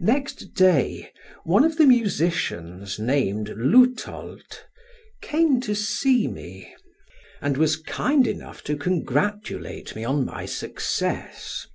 Next day, one of the musicians, named Lutold, came to see me and was kind enough to congratulate me on my success.